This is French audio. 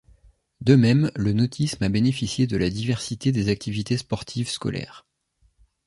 De même le nautisme a bénéficié de la diversité des activités sportives scolaires.